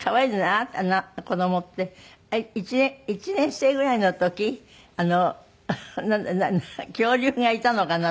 あなたの子どもって１年生ぐらいの時あの「恐竜がいたのかな？」